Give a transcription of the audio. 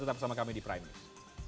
tetap bersama kami di prime news